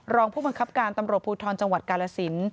รองผู้บังคับการตำรวจภูทรจังหวัดกาลสิน